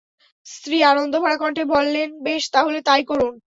স্ত্রী আনন্দভরা কণ্ঠে বললেন, বেশ, তাহলে তাই করুন।